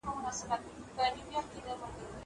زه اجازه لرم چي اوبه پاک کړم!